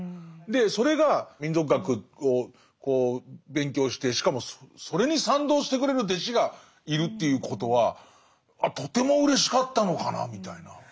でそれが民俗学を勉強してしかもそれに賛同してくれる弟子がいるっていうことはとてもうれしかったのかなみたいな。